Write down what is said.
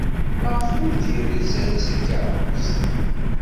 Maɣef ur d-iris ara seg tkeṛṛust?